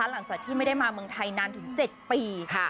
หลังจากที่ไม่ได้มาเมืองไทยนานถึง๗ปี